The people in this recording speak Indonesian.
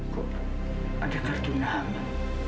kok ada kartu nama